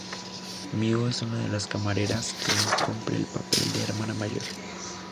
Miu es una de las camareras quien cumple el papel de "hermana mayor".